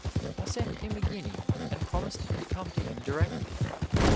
I sent him a guinea and promised to come to him directly.